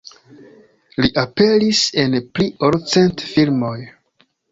Li aperis en pli ol cent filmoj.